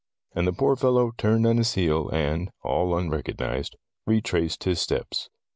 And the poor fellow turned on his heel and, all unrecognized, retraced his steps.